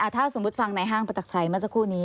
ถ้าสมมุติฟังในห้างประจักรชัยเมื่อสักครู่นี้